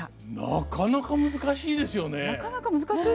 なかなか難しいですよね。